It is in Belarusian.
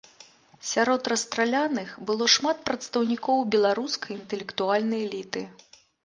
Сярод расстраляных было шмат прадстаўнікоў беларускай інтэлектуальнай эліты.